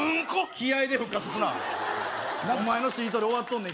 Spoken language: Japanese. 気合で復活すなお前のしりとり終わっとんねん